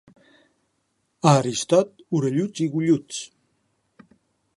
A Aristot, orelluts i golluts.